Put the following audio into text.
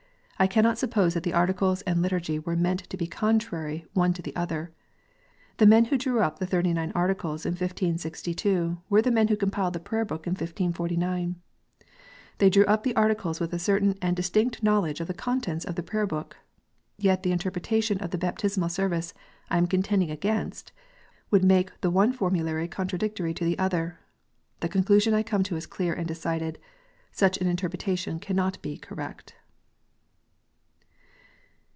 I cannot suppose that the Articles and Liturgy were meant to be contrary one to the other. The men who drew up the Thirty nine Articles in 1562, were the men who compiled the Prayer book in 1549. They drew up the Articles with a certain and distinct know ledge of the contents of the Prayer book. Yet the interpreta tion of the Baptismal Service I am contending against would make the one formulary contradictory to the other. The con clusion I come to is clear and decided, such an interpretation cannot be correct.